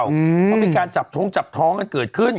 เพราะมีการจับท้องจับท้องกันเกิดขึ้น